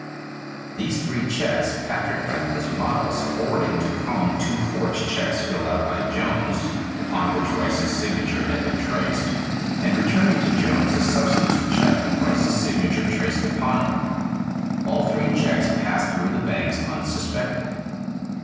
These three checks Patrick kept as models, forwarding to Cohn two forged checks filled out by Jones upon which Rice's signature had been traced, and returning to Jones a substitute check with Rice's signature traced upon it. All three checks passed through the banks unsuspected.